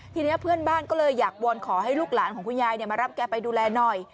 ทีนี้เพื่อนบ้านก็เลยอยากวอนขอให้ลูกหลานของคุณยายมารับแกไปดูแลหน่อย